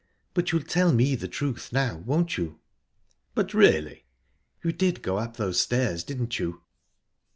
But you'll tell me the truth now, won't you?" "But, really!..." "You did go up those stairs, didn't you?"